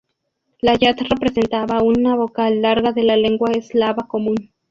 La yat representaba una vocal larga de la lengua eslava común.